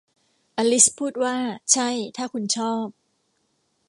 อลิซพูดว่า ใช่ ถ้าคุณชอบ